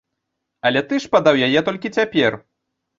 Але ты ж падаў яе толькі цяпер!